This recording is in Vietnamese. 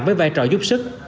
với vai trò giúp sức